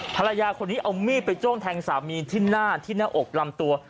ภรรยาคนนี้เอามีดไปจ้วงแทงสามีที่หน้าที่หน้าอกลำตัว